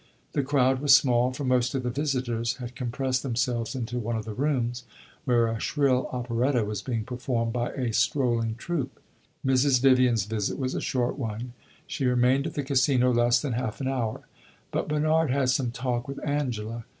The crowd was small, for most of the visitors had compressed themselves into one of the rooms, where a shrill operetta was being performed by a strolling troupe. Mrs. Vivian's visit was a short one; she remained at the Casino less than half an hour. But Bernard had some talk with Angela.